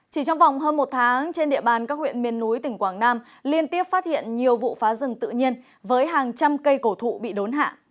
chỉ trong vòng hơn một tháng trên địa bàn các huyện miền núi tỉnh quảng nam liên tiếp phát hiện nhiều vụ phá rừng tự nhiên với hàng trăm cây cổ thụ bị đốn hạ